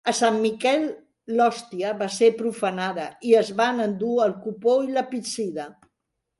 A Sant Miquel l'Hòstia va ser profanada i es van endur el copó i la píxide.